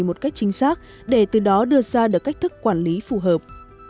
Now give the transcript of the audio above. một cách chính xác để từ đó đưa ra được cách thức quản lý phù hợp